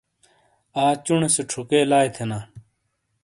آ چُونے سے چھُکے لائے تھینا۔